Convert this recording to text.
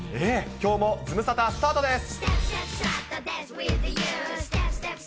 きょうもズムサタ、スタートです。